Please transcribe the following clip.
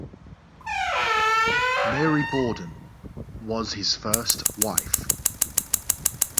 Mary Borden was his first wife.